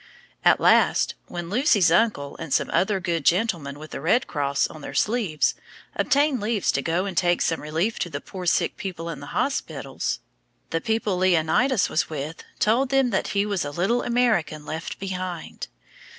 At last, when Lucy's uncle and some other good gentlemen with the red cross on their sleeves, obtained leave to go and take some relief to the poor sick people in the hospitals, the people Leonidas was with told them that he was a little American left behind.